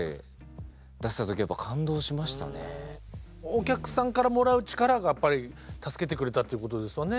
お客さんからもらう力がやっぱり助けてくれたっていうことですかね。